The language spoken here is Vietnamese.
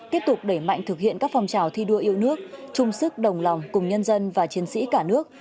tiếp tục đẩy mạnh thực hiện các phong trào thi đua yêu nước chung sức đồng lòng cùng nhân dân và chiến sĩ cả nước